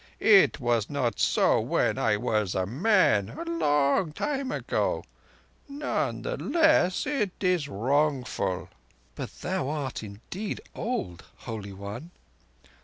It was not so when I was a man—a long time ago. None the less it is wrongful—" "But thou art indeed old, Holy One."